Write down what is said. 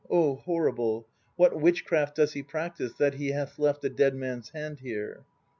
Oh! horrible! What witchcraft does he practise, that he hath left A dead man's hand here?